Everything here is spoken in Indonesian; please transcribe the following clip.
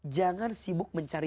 jangan sibuk mencari